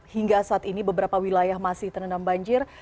hingga saat ini beberapa wilayah masih terendam banjir